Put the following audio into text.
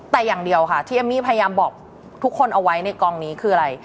แต่อย่างเดียวค่ะที่เอมมี่พยายามบอกทุกคนเอาไว้ในกองนี้คืออะไร